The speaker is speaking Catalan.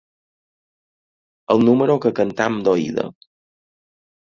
El número que cantem d'oïda.